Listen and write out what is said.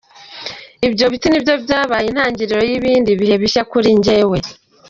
Ibyo biti nibyo byabaye intangiriro y’ibindi bihe bishya kuri jyewe.